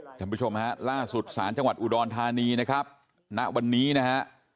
ท่านผู้ชมฮะล่าสุดศาลจังหวัดอุดรธานีนะครับณวันนี้นะฮะ